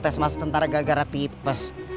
tes masuk tentara gagaratipes